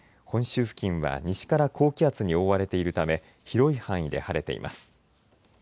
本州付近は西から高気圧に覆われているため広い範囲で晴れています。